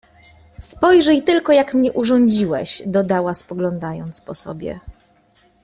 Spojrzyj tylko, jak mnie urządziłeś! — dodała, spoglądając po sobie.